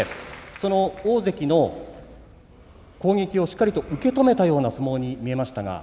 その大関の攻撃をしっかり受け止めたような相撲に見えました。